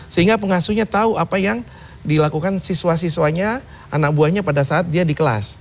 sehingga pengasuhnya tahu apa yang dilakukan siswa siswanya anak buahnya pada saat dia di kelas